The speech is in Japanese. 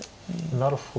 なるほど。